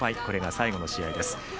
これが最後の試合です。